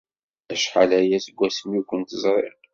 Acḥal aya seg wasmi ur kent-ẓriɣ.